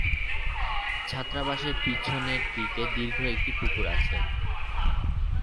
ছাত্রাবাসের পিছনের দিকে দীর্ঘ একটি পুকুর আছে।